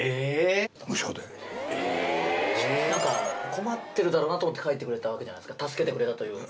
困ってるだろうなと思って描いてくれたわけじゃないですか助けてくれたというか。